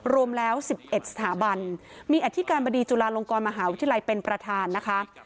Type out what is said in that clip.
รวมแล้ว๑๑สถาบันมีอธิการบดีจุฬาลงกรมหาวิทยาลัยเป็นประธานนะคะ